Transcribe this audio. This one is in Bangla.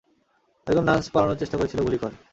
একজন নার্স পালানোর চেষ্টা করেছিল গুলি কর!